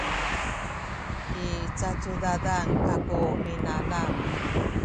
i cacudadan kaku minanam